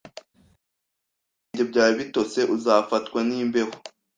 Niba ibirenge byawe bitose, uzafatwa n'imbeho.